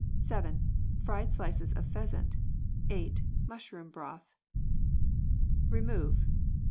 7. Fried slices of pheasant. 8. Mushroom broth. Remove.